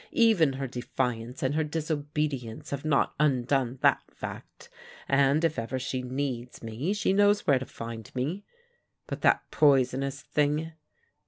Even her defiance and her disobedience have not undone that fact, and if ever she needs me she knows where to find me. But that poisonous thing!